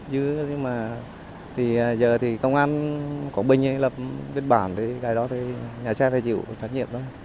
nhưng mà giờ công an có bình lập biên bản nhà xe phải chịu trách nhiệm thôi